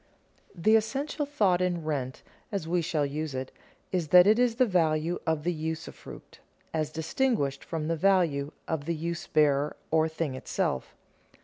_The essential thought in rent, as we shall use it, is that it is the value of the usufruct as distinguished from the value of the use bearer or thing itself.